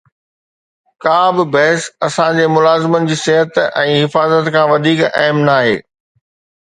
ڪابه بحث اسان جي ملازمن جي صحت ۽ حفاظت کان وڌيڪ اهم ناهي